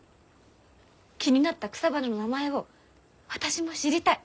気になった草花の名前を私も知りたい。